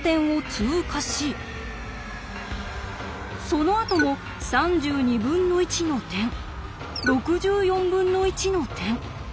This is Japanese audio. そのあとも３２分の１の点６４分の１の点。